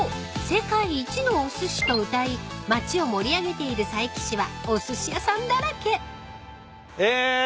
世界一のおすしとうたい町を盛り上げている佐伯市はおすし屋さんだらけ］え？